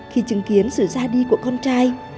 khi chứng kiến sự ra đi của con trai